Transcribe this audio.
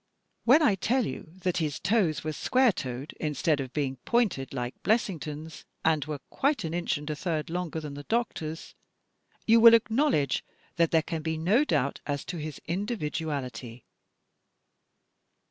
When I tell you that his toes were square toed instead of being pointed like Blessington's, and were quite an inch and a third longer than the doctor's, you will acknowledge that there can be no doubt as to his individuality.